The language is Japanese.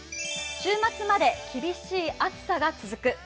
週末まで厳しい暑さが続く。